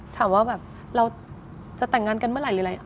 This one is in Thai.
ถามว่าแบบเราจะแต่งงานกันเมื่อไหร่หรืออะไร